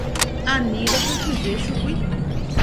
Ani rekyhyje chugui.